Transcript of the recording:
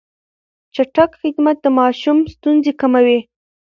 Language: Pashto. چټک خدمت د ماشوم ستونزې کموي.